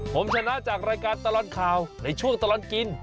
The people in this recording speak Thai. ผมชนะจากรายการตลอดข่าวในช่วงตลอดกิน